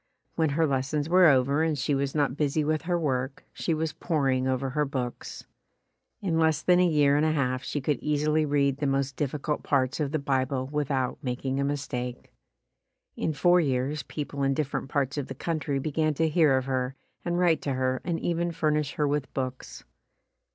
When her lessons were over and she was not busy with her work, she was p'oring over her books. In less than a year and a half she could easily read the most difficult parts of the Bible without making a mistake. In four years people in different parts of the country be gan to hear of her and write to her and even fur nish her with books.